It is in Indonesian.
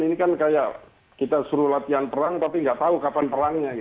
ini kan kayak kita suruh latihan perang tapi nggak tahu kapan perangnya